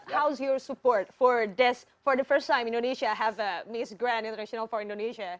bagaimana pendukungmu untuk pertama kali indonesia memiliki miss grand international indonesia